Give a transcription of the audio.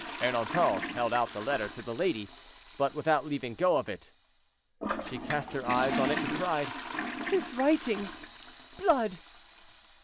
Ernanton held out the letter to the lady, but without leaving go of it. She cast her eyes on it, and cried, "His writing! Blood!"